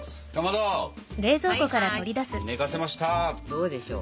どうでしょう。